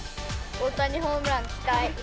大谷、ホームラン期待。